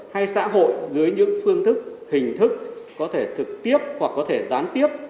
hay xã hội dưới những phương thức hình thức có thể trực tiếp hoặc có thể gián tiếp